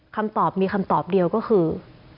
คำตอบมีคำตอบเดียวก็คือ